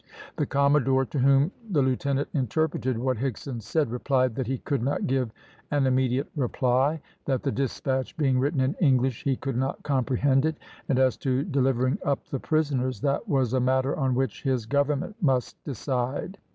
The commodore, to whom the lieutenant interpreted what Higson said, replied that he could not give an immediate reply; that the despatch being written in English he could not comprehend it; and as to delivering up the prisoners, that was a matter on which his Government must decide.